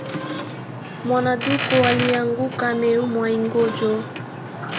Mwana duko alieanguka ameumia igonjo